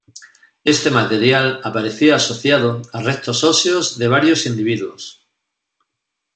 Este material aparecía asociado a restos óseos de varios individuos.